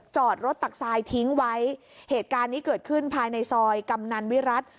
จอดรถตักทรายทิ้งไว้เหตุการณ์นี้เกิดขึ้นภายในซอยกำนันวิรัติ